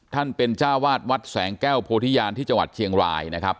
ท่านเป็นจ้าวาดวัดแสงแก้วโพธิญาณที่จังหวัดเชียงรายนะครับ